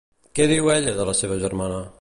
Què diu ella de la seva germana?